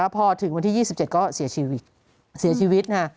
พอถึงวันที่๒๗ก็เสียชีวิต